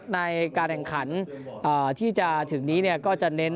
ในการแข่งขันที่จะถึงนี้ก็จะเน้น